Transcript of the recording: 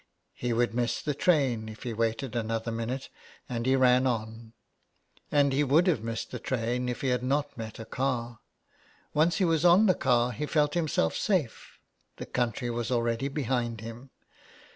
He would miss the train if he waited another minute, and he ran on. And he would have missed the train if he had not met a car. Once he was on the car he felt himselt safe — the country was already behind him.